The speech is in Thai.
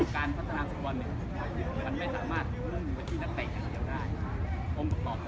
การพัฒนาสุขวันมันไม่สามารถต้องเงินไปที่นั่นแต่อย่างเดียว